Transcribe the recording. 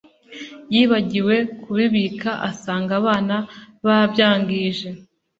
Yibagiwe kubibika asanga abana babyangije